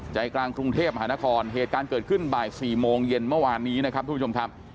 ใจกลางกรุงเทพมหานครเหตุการณ์เกิดขึ้นบ่าย๔โมงเย็นเมื่อวานนี้นะครับทุกผู้ชมครับ